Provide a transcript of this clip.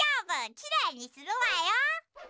きれいにするわよ。